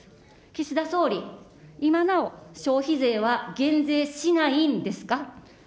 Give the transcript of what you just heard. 岸田総理、今なお、消費税は減税しないんですか。